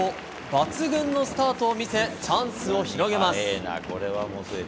抜群のスタートを見せ、チャンスを広げます。